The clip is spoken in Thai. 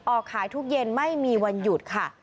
ออกขายทุกเย็นไม่มีวันหยุดค่ะ